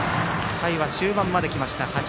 回は終盤まで来ました。